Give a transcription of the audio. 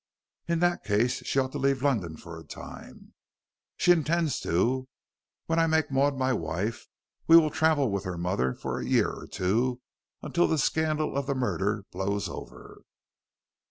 "In that case she ought to leave London for a time." "She intends to. When I make Maud my wife, we will travel with her mother for a year or two, until the scandal of the murder blows over.